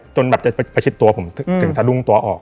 จนแบบจะประชิดตัวผมถึงสะดุ้งตัวออก